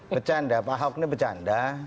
becanda pak ahok ini becanda